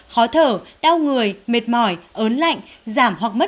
khó thở đau người mệt mỏi ớn lạnh giảm hoặc mất